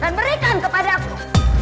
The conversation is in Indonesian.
dan berikan kepada aku